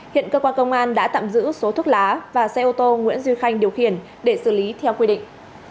hiện cơ quan công an đã tạm giữ số thuốc lá và xe ô tô nguyễn duy khanh điều khiển để xử lý theo quy định